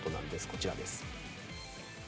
こちらです。